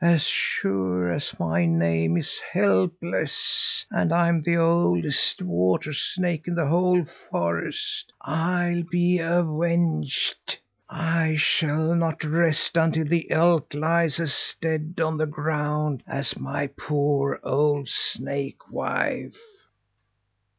As sure as my name is Helpless and I'm the oldest water snake in the whole forest, I'll be avenged! I shall not rest until that elk lies as dead on the ground as my poor old snake wife."